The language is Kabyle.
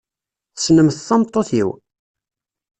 Tessnemt tameṭṭut-iw?